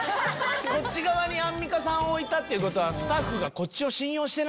こっち側にアンミカさんを置いたっていうことはスタッフが。